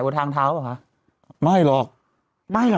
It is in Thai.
บนทางเท้าเหรอคะไม่หรอก